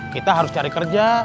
kita harus cari kerja